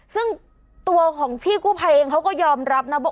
ซึ่งตัวของพี่กู้ภัยเองเขาก็ยอมรับนะว่า